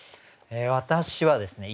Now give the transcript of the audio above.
私はですね